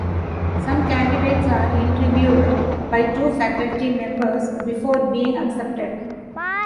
Some candidates are interviewed by two faculty members before being accepted.